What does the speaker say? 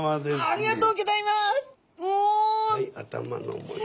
ありがとうございます。